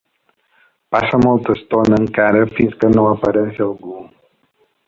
Passa molta estona encara fins que no apareix algú.